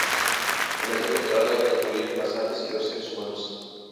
El daño controlado era que murieran las aves y no los seres humanos.